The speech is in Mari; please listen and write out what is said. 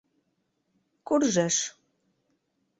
Куржеш.